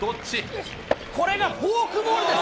これがフォークボールです。